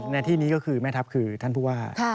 ในที่นี้ก็คือแม่ทัพคือท่านผู้ว่า